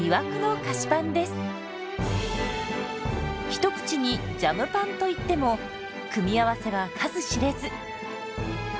一口に「ジャムパン」といっても組み合わせは数知れず。